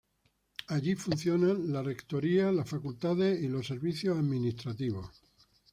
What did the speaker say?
Allí funcionan la Rectoría, las Facultades y los servicios administrativos.